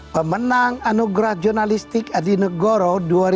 pemenang anugerah jurnalistik adi negoro dua ribu dua puluh